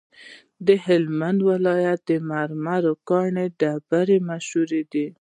د هلمند ولایت د مرمرو کانونه ډیر مشهور دي.